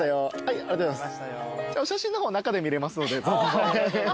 ありがとうございます。